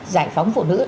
giải phóng phụ nữ